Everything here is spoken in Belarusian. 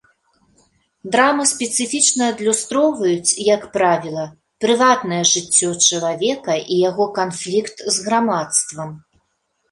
Драмы спецыфічна адлюстроўваюць, як правіла, прыватнае жыццё чалавека і яго канфлікт з грамадствам.